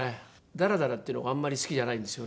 ダラダラっていうのがあんまり好きじゃないんですよね。